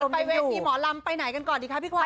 ไปเวทีหมอลำไปไหนกันก่อนดีคะพี่ควาย